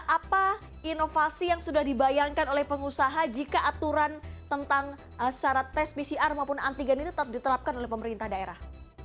apa inovasi yang sudah dibayangkan oleh pengusaha jika aturan tentang syarat tes pcr maupun antigen ini tetap diterapkan oleh pemerintah daerah